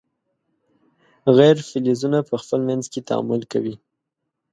غیر فلزونه په خپل منځ کې تعامل کوي.